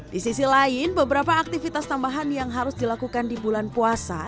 di sisi lain beberapa aktivitas tambahan yang harus dilakukan di bulan puasa